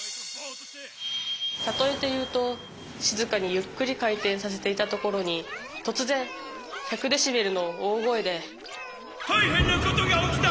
例えて言うと静かにゆっくり回転させていたところに突然１００デシベルの大声で大変なことが起きた！